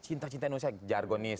cinta cinta indonesia jargonis